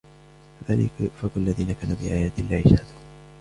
كَذَلِكَ يُؤْفَكُ الَّذِينَ كَانُوا بِآيَاتِ اللَّهِ يَجْحَدُونَ